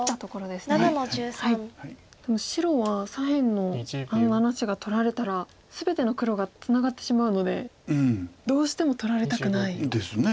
でも白は左辺のあの７子が取られたら全ての黒がツナがってしまうのでどうしても取られたくない。ですね。